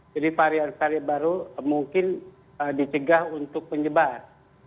jadi varian varian baru mungkin dicegah untuk penyebar